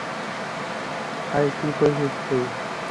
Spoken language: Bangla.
আরে কী করছিস তুই?